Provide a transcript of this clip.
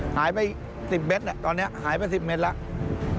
หายไป๑๐เมตรตอนนี้หายไป๑๐เมตรแล้ว